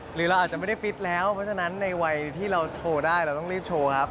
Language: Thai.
หรือเราอาจจะไม่ได้ฟิตแล้วเพราะฉะนั้นในวัยที่เราโชว์ได้เราต้องรีบโชว์ครับ